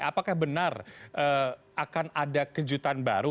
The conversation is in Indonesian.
apakah benar akan ada kejutan baru